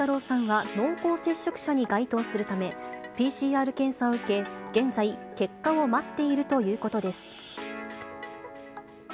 さんは濃厚接触者に該当するため、ＰＣＲ検査を受け、現在、結果を待っているということです。